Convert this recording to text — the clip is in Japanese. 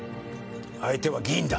相手は議員だ。